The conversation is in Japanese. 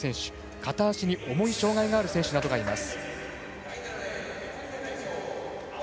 片足に重い障がいがある選手などがいます。